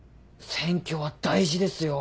選挙は大事ですよ！